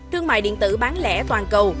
thương mại điện tử bán lẻ toàn cầu